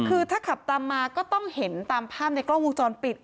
คือถ้าขับตามมาก็ต้องเห็นตามภาพในกล้องวงจรปิด